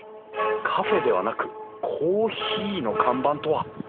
カフェではなくコーヒーの看板とは。